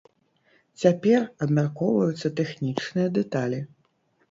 Цяпер абмяркоўваюцца тэхнічныя дэталі.